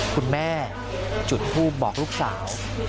คุณแม่จุดทูปบอกลูกสาว